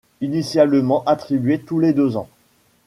Initialement attribué tous les deux ans.